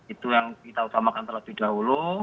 itu yang kita utamakan terlebih dahulu